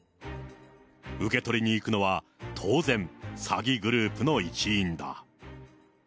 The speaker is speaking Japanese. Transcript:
受け取りに行くのは、当然、詐欺グループの一員だ。